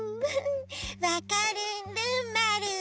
わかるんるんまる。